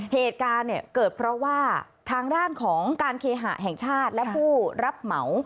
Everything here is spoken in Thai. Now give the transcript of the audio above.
เหตุการณ์เนี่ยเกิดเพราะว่าทางด้านของการเคหะแห่งชาติและผู้รับเหมา